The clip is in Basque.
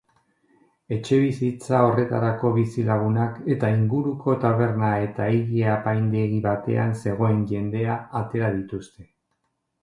Etxebizitza horretako bizilagunak eta inguruko taberna eta ile-apaindegi batean zegoen jendea atera dituzte.